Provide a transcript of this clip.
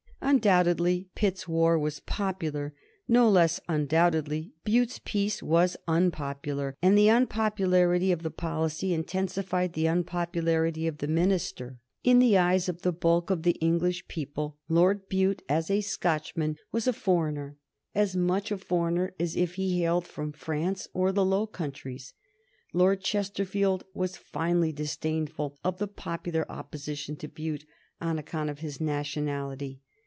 Undoubtedly Pitt's war was popular; no less undoubtedly Bute's peace was unpopular, and the unpopularity of the policy intensified the unpopularity of the minister. In the eyes of the bulk of the English people Lord Bute, as a Scotchman, was a foreigner, as much a foreigner as if he hailed from France or the Low Countries. Lord Chesterfield was finely disdainful of the popular opposition to Bute on account of his nationality.